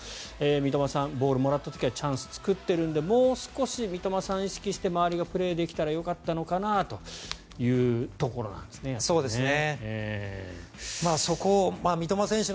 三笘さん、ボールが入った時はチャンスを作っているのでもう少し三笘さんを意識して周りがプレーできたらというところですね。